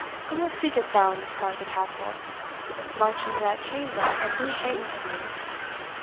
and what seekest thou in this part of the Castle? march into that chamber, and be hanged to thee!"